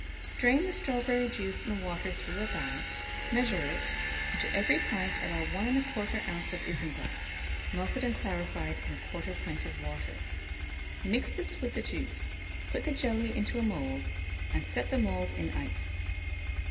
Strain the strawberry juice and water through a bag; measure it, and to every pint allow 1 1/4 oz. of isinglass, melted and clarified in 1/4 pint of water. Mix this with the juice; put the jelly into a mould, and set the mould in ice.